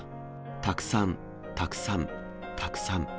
たくさん、たくさん、たくさん。